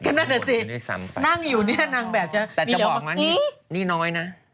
นั่นสินั่งอยู่เนี่ยนางแบบแต่จะบอกว่านี่น้อยนะ